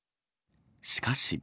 しかし。